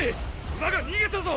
馬が逃げたぞ！！